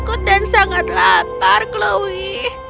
aku takut dan sangat lapar chloe